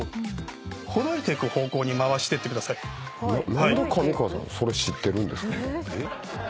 何で上川さんがそれ知ってるんですか？